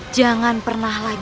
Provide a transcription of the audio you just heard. wangsa dan sora